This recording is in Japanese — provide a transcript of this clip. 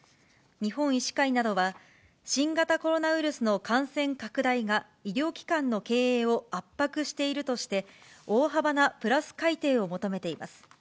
日本医師会などは、新型コロナウイルスの感染拡大が、医療機関の経営を圧迫しているとして、大幅なプラス改定を求めています。